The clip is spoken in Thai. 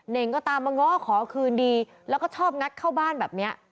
่งก็ตามมาง้อขอคืนดีแล้วก็ชอบงัดเข้าบ้านแบบนี้